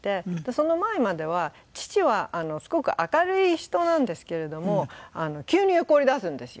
その前までは父はすごく明るい人なんですけれども急に怒りだすんですよ。